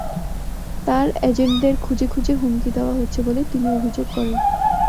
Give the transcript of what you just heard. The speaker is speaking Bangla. তাঁর এজেন্টদের খুঁজে খুঁজে হুমকি দেওয়া হচ্ছে বলে তিনি অভিযোগ করেন।